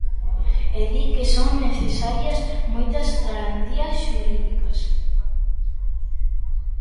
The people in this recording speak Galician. E di que son necesarias moitas garantías xurídicas.